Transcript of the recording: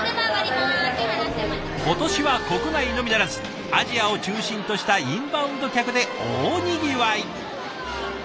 今年は国内のみならずアジアを中心としたインバウンド客で大にぎわい！